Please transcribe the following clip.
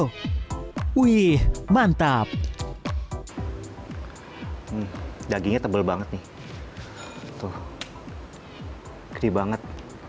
hai wih mantap dagingnya tebel banget nih hai tuh hai kiri banget